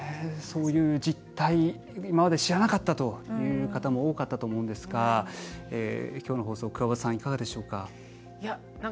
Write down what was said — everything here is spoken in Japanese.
そういう実態、今まで知らなかったという方も多かったと思うんですがきょうの放送、くわばたさんいかがでしょうか。